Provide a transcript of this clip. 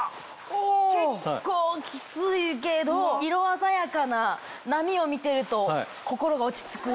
結構きついけど色鮮やかな波を見てると心が落ち着く。